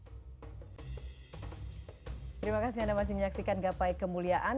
terima kasih anda masih menyaksikan gapai kemuliaan